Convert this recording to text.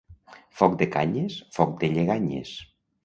Foc de canyes, foc de lleganyes.